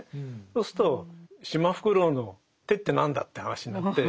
そうするとシマフクロウの手って何だって話になって。